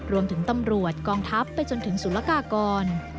รวมถึงตำรวจกองทัพไปจนถึงสุรกากร